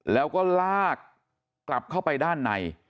แล้วก็ลากกลับเข้าไปด้านใน